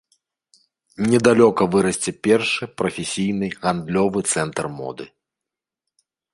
Недалёка вырасце першы прафесійны гандлёвы цэнтр моды.